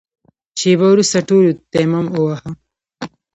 شېبه وروسته ټولو تيمم وواهه.